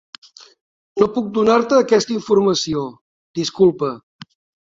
No puc donar-te aquesta informació, disculpa.